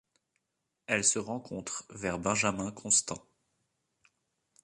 Elle se rencontre vers Benjamin Constant.